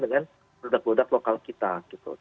dengan produk produk lokal kita gitu